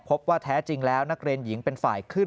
พบว่าแท้จริงแล้วนักเรียนหญิงเป็นฝ่ายขึ้น